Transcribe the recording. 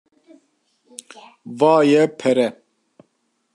- Vaye pere.